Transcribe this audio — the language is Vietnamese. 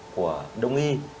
của đồng nghi